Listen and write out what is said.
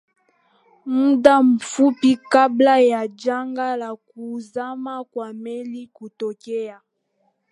muda mfupi kabla ya janga la kuzama kwa meli kutokea